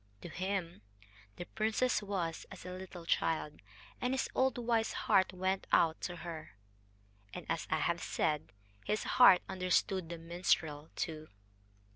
To him the princess was as a little child, and his old wise heart went out to her. And, as I have said, his heart understood the minstrel too.